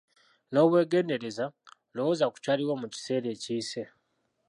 N’obwegendereza lowooza ku kyaliwo mu kiseera ekiyise.